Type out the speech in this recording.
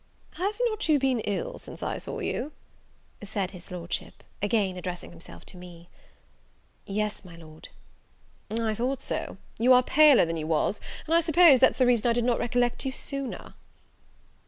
"Have not you been ill since I saw you?" said his Lordship, again addressing himself to me. "Yes, my Lord." "I thought so; you are paler than you was, and I suppose that's the reason I did not recollect you sooner."